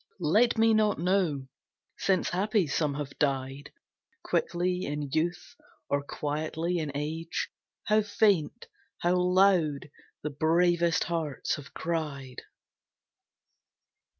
Let me not know, since happy some have died Quickly in youth or quietly in age, How faint, how loud the bravest hearts have cried.